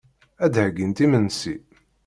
Ad d-heyyint imensi.